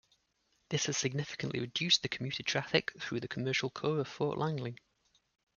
This has significantly reduced the commuter traffic through the commercial core of Fort Langley.